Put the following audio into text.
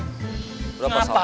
berapa saat pak